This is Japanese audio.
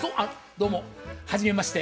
どうもはじめまして